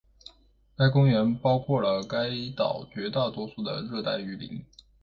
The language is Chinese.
该公园包括了该岛绝大多数的热带雨林。